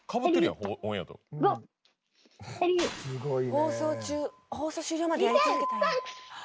放送中放送終了までやり続けたんや。